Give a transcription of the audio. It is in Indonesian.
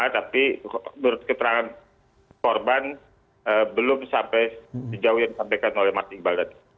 tapi berdasarkan keterangan korban belum sampai sejauh yang disampaikan oleh marti ibaldadi